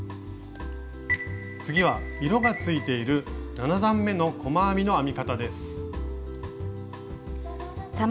次は色がついている７段めの細編みの編み方です。